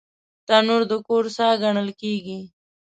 تنور د کور ساه ګڼل کېږي